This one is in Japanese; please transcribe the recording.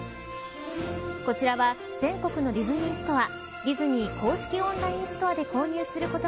こちらは全国のディズニーストア